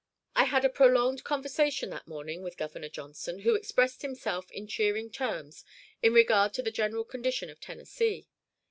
I had a prolonged conversation that morning with Governor Johnson, who expressed himself in cheering terms in regard to the general condition of Tennessee.